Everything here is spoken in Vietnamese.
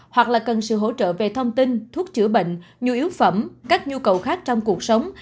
hoặc là cần sự hỗ trợ về thông tin thuốc chữa bệnh nhu yếu phẩm các nhu cầu khác trong cuộc sống